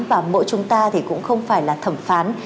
và mỗi chúng ta thì cũng không phải là thẩm phán